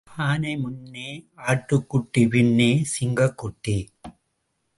ஆனை முன்னே ஆட்டுக்குட்டி பின்னே சிங்கக்குட்டி.